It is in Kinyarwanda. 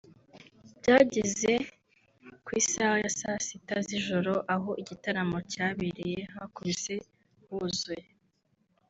Byageze ku isaha ya saa sita z’ijoro aho igitaramo cyabereye hakubise huzuye